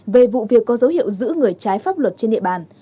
về vụ việc có dấu hiệu giữ người trái pháp luật trên địa bàn